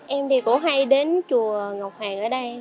em thì cũng hay đến chùa ngọc hoàng ở đây